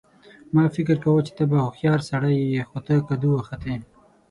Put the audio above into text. ما فکر کاوه چې ته به هوښیار سړی یې خو ته کدو وختې